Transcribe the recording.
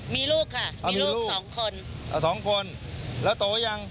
มีลูกค่ะมีลูกสองคนอ่าสองคนแล้วโตยัง